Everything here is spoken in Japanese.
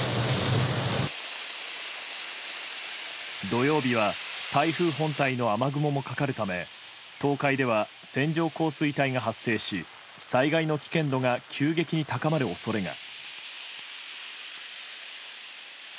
土曜日は台風本体の雨雲もかかるため東海では線状降水帯が発生し災害の危険度が急激に高まる恐れが。